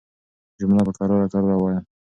جمله په کراره کراره وايه